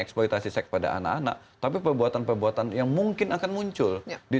eksploitasi seks pada anak anak tapi perbuatan perbuatan yang mungkin akan muncul di